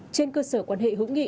trên cơ sở quan hệ hữu nghị